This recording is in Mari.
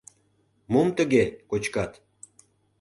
Мом тыге кочкат?